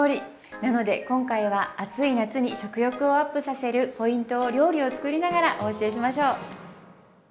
なので今回は暑い夏に食欲をアップさせるポイントを料理を作りながらお教えしましょう。